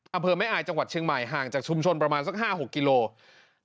อำเภอแม่อายจังหวัดเชียงใหม่ห่างจากชุมชนประมาณสัก๕๖กิโลกรัม